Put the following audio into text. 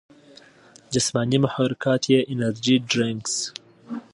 جسماني محرکات ئې انرجي ډرنکس ،